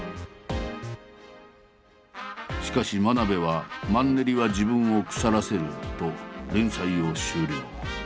しかし真鍋は「マンネリは自分を腐らせる」と連載を終了。